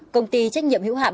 công ty trách nhiệm hữu hạm